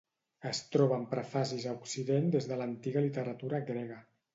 Es troben prefacis a Occident des de l'antiga literatura grega.